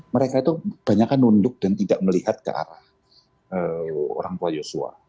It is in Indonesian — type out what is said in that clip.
mereka itu banyak nunduk dan tidak melihat ke arah orang tua yosua